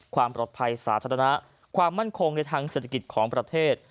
ความปลอดภัยสาธารณะความมั่นคงในทางเศรษฐกิจของประเทศ